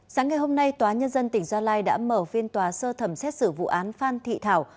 sáng ngày hôm nay tòa nhân dân tỉnh gia lai đã mở phiên tòa sơ thẩm xét xử vụ án phan thị thảo